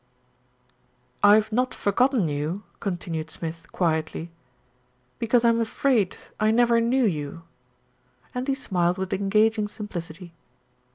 "I've not forgotten you," continued Smith quietly, "because I'm afraid I never knew you," and he smiled with engaging simplicity.